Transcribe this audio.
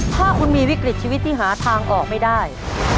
ถ้าคุณมีวิกฤตชีวิตที่หาทางออกไม่ได้